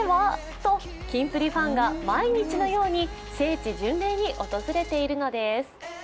とキンプリファンが毎日のように聖地巡礼に訪れているのです。